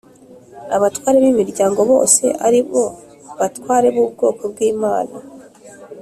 abatware b imiryango bose ari bo batware bubwoko bw ‘imana